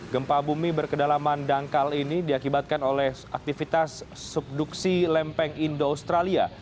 gempa bumi berkedalaman dangkal ini diakibatkan oleh aktivitas subduksi lempeng indo australia